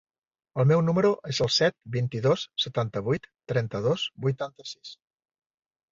El meu número es el set, vint-i-dos, setanta-vuit, trenta-dos, vuitanta-sis.